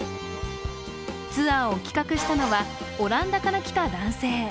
ツアーを企画したのは、オランダから来た男性。